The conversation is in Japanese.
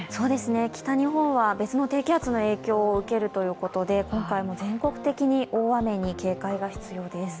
北日本は別の低気圧の影響を受けるということで今回も全国的に大雨に警戒が必要です。